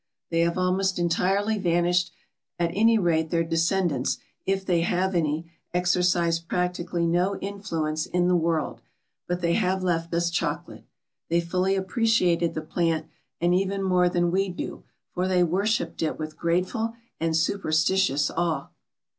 They have almost entirely vanished; at any rate their descendants, if they have any, exercise practically no influence in the world, but they have left us chocolate. They fully appreciated the plant, and even more than we do, for they worshipped it with grateful and superstitious awe.